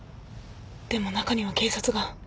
でも中には警察が。